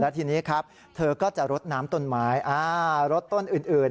ทีนี้ครับเธอก็จะรดน้ำต้นไม้รถต้นอื่น